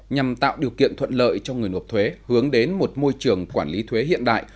nhằm tạo điều kiện thuận lợi cho người nộp thuế hướng đến một môi trường quản lý thuế hiện đại